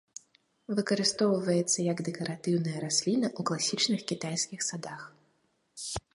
Выкарыстоўваецца як дэкаратыўная расліна ў класічных кітайскіх садах.